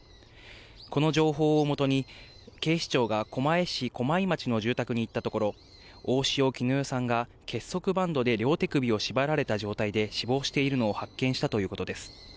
この情報をもとに、警視庁が狛江市駒井町の住宅に行ったところ、大塩衣与さんが結束バンドで両手首を縛られた状態で死亡しているのを発見したということです。